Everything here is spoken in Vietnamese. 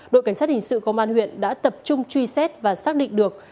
đội cảnh sát hình sự công an huyện đã tập trung truy xét và xác định được